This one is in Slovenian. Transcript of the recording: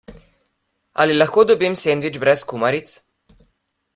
Ali lahko dobim sendvič brez kumaric?